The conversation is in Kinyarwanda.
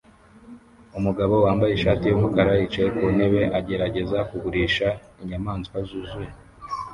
Umugabo wambaye ishati yumukara yicaye ku ntebe agerageza kugurisha inyamaswa zuzuye